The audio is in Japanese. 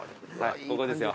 ここですよ。